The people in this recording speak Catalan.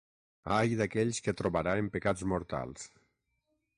Ai d’aquells que trobarà en pecats mortals!